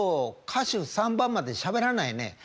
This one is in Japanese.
歌手３番までしゃべらないね。